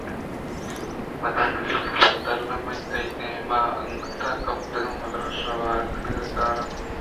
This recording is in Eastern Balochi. بدل ءَ من تئی دام ءَ آ دگہ کبگاں مُژدہ وار کنان ءُکاراں